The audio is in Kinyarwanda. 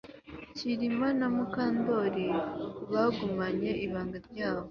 Kirima na Mukandoli bagumanye ibanga ryabo